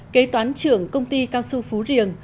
kế toán trưởng công ty cao xu phú riềng